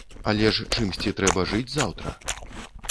Але ж чымсьці трэба жыць заўтра!